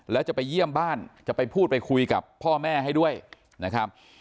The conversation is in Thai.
แล้วจะไปเยี่ยมบ้านจะไปพูดไปคุยกับพ่อแม่ให้ด้วยนะครับ